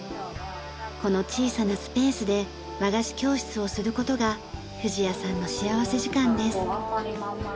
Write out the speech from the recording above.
この小さなスペースで和菓子教室をする事が藤谷さんの幸福時間です。